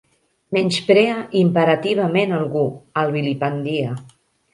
Menysprea imperativament algú, el vilipendia.